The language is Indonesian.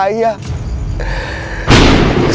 saya sudah capek